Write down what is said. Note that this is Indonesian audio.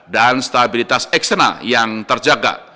dan stabilitas eksternal yang terjaga